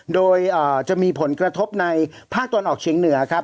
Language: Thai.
โดยจะมีผลกระทบในภาคตะวันออกเชียงเหนือครับ